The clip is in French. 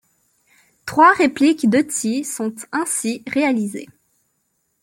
Trois répliques d'Ötzi sont ainsi réalisées.